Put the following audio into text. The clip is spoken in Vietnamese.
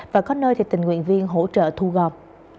và có nơi thì tình nguyện viên hỗ trợ thu gom